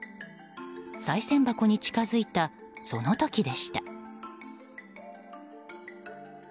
さい銭箱に近づいたその時でした。